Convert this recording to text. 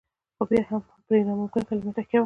خو بيا يې هم پر ناممکن کلمه تکيه وکړه.